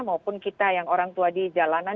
maupun kita yang orang tua di jalanan